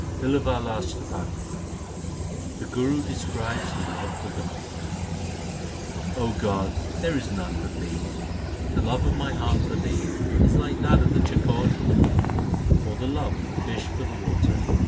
BlLAWAL ASHTAPADI The Guru describes his love for God : God, there is none but Thee. The love of my heart for Thee is like that of the chakor for the moon, Or the love of the fish for the water.